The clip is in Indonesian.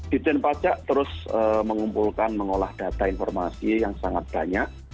dijen pajak terus mengumpulkan mengolah data informasi yang sangat banyak